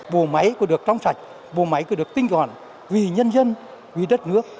bộ máy có được trong sạch bộ máy có được tinh gọn vì nhân dân vì đất nước